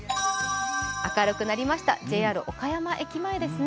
明るくなりました、ＪＲ岡山駅前ですね。